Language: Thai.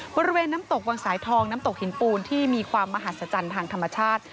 บริเวณน้ำตกวังสายทองน้ำตกหินปูนที่มีความมหัศจรรย์ทางธรรมชาติ